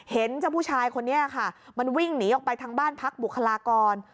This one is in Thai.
เห็นเจ้าผู้ชายคนนี้ค่ะมันวิ่งหนีออกไปทางบ้านพักบุคลากร